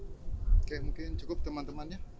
oke mungkin cukup teman temannya